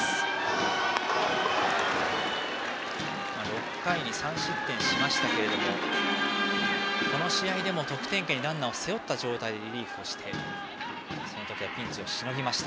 ６回に３失点しましたがこの試合でも得点圏にランナーを背負った状態でリリーフをしてその時はピンチをしのぎました。